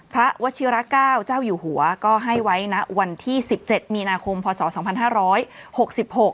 พระวชิราเก้าเจ้าอยู่หัวก็ให้ไว้นะวันที่๑๗มีนาคมพศ๒๕๖๖